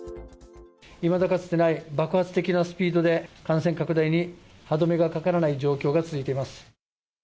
いまだかつてない爆発的なスピードで、感染拡大に歯止めがかからない状況が続いています。